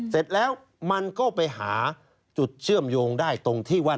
เสร็จแล้วมันก็ไปหาจุดเชื่อมโยงได้ตรงที่ว่า